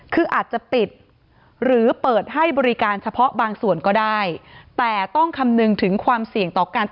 คืออาจจะปิดหรือเปิดให้บริการเฉพาะบางส่วนก็ได้